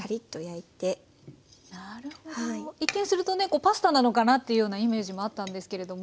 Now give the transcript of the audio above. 一見するとねパスタなのかなっていうようなイメージもあったんですけれども。